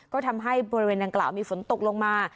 ก็ทำให้บริเวณดังกล่าวมีฝนตกลงมา